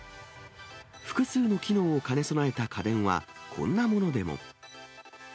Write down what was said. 複数の機能を兼ね備えた家電は、こんなものでも。